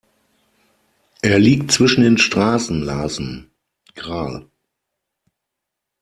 Er liegt zwischen den Straßen Larsen, Gral.